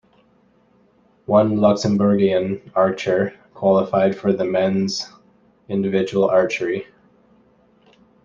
One Luxembourgian archer qualifiedfor the men's individual archery.